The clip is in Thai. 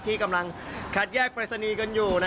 ที่กำลังคัดแยกปรายศนีย์กันอยู่